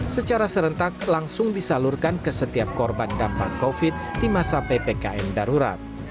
secara serentak langsung disalurkan ke setiap korban dampak covid di masa ppkm darurat